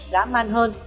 giá màn hơn